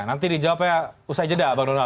nanti dijawabnya usai jeda bang donald